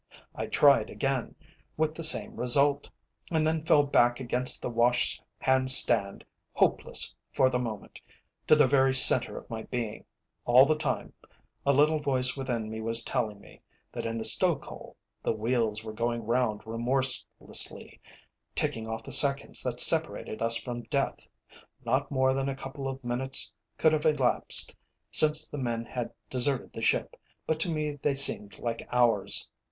I tried again, with the same result, and then fell back against the wash hand stand, hopeless, for the moment, to the very centre of my being. All the time a little voice within me was telling me that in the stoke hole the wheels were going round remorselessly, ticking off the seconds that separated us from death. Not more than a couple of minutes could have elapsed since the men had deserted the ship, but to me they seemed like hours.